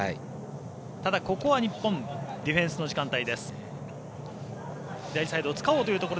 ただここは日本ディフェンスの時間帯。